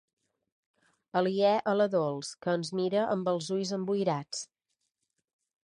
Aliè a la Dols que ens mira amb els ulls emboirats.